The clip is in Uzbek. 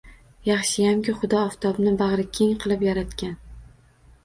Yaxshiyamki Xudo oftobni bag’rikeng qilib yaratgan.